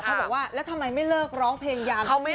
เขาบอกว่าแล้วทำไมไม่เลิกร้องเพลงยามเขาไม่